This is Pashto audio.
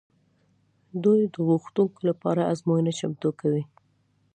دوی د غوښتونکو لپاره ازموینه چمتو کوي.